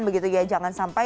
begitu ya jangan sampai